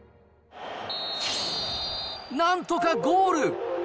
なんとかゴール。